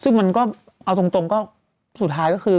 ซึ่งเอาตรงก็สุดท้ายก็คือ